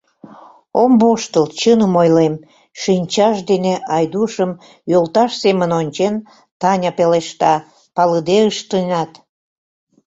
— Ом воштыл, чыным ойлем, — шинчаж дене Айдушым йолташ семын ончен, Таня пелешта, — палыде ыштенат.